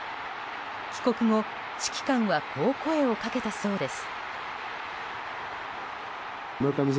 帰国後、指揮官はこう声をかけたそうです。